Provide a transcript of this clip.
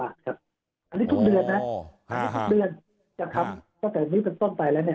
อันนี้ทุกเดือนนะอันนี้ทุกเดือนนะครับตั้งแต่นี้เป็นต้นไปแล้วเนี่ย